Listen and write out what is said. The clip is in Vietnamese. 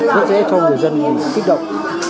rất dễ cho người dân bị kích động